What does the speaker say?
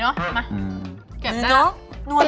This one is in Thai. เรามาชิมของพี่ทอบกันดีกว่า